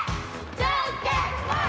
じゃんけんぽん！